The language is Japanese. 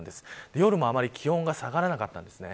夜もあまり気温が下がらなかったんですね。